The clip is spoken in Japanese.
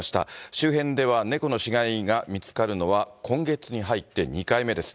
周辺では猫の死骸が見つかるのは今月に入って２回目です。